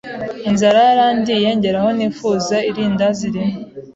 inzara yarandiye ngera aho nifuza irindazi rimwe,